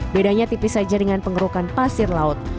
bedanya tipis saja dengan pengerukan pasir laut